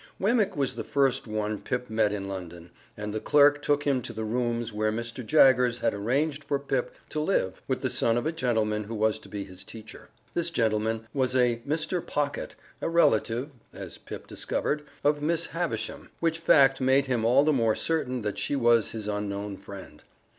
Wemmick was the first one Pip met in London, and the clerk took him to the rooms where Mr. Jaggers had arranged for Pip to live, with the son of a gentleman who was to be his teacher. This gentleman was a Mr. Pocket, a relative (as Pip discovered) of Miss Havisham, which fact made him all the more certain that she was his unknown friend.